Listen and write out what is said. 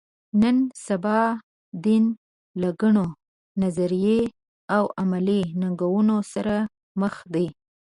نن سبا دین له ګڼو نظري او عملي ننګونو سره مخ دی.